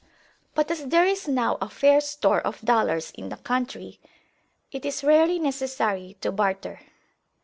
But as there is now a fair store of dollars in the country, it is rarely necessary to barter.